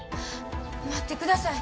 待ってください。